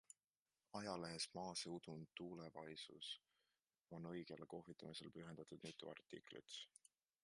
Ajalehes Maaseudun Tulevaisuus on õigele kohvitamisele pühendatud mitu artiklilt.